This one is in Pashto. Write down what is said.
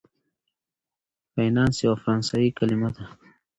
فینانس یوه فرانسوي کلمه ده.